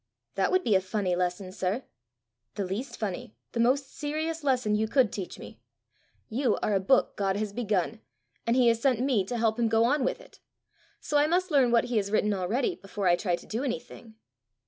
"That would be a funny lesson, sir!" "The least funny, the most serious lesson you could teach me! You are a book God has begun, and he has sent me to help him go on with it; so I must learn what he has written already before I try to do anything."